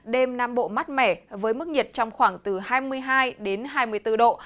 đêm nam bộ mát mẻ với mức nhiệt trong khoảng từ hai mươi hai đến hai mươi bốn độ